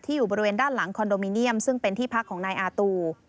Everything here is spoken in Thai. อยู่บริเวณด้านหลังคอนโดมิเนียมซึ่งเป็นที่พักของนายอาตู